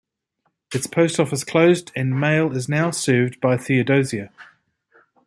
Its post office closed and mail is now served by Theodosia.